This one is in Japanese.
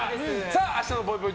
明日のぽいぽい